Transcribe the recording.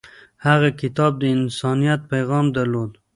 هغه کتاب د انسانیت پیغام درلود.